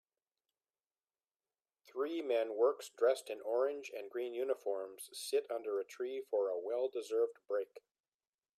Three men works dressed in orange and green uniforms sit under a tree for a well deserved break